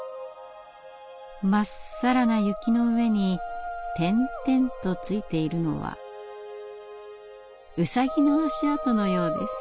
真っさらな雪の上に点々とついているのはウサギの足跡のようです。